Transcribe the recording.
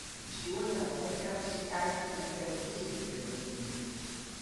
De bestjoerder hat net de kapasiteiten om in telefyzjebedriuw te lieden.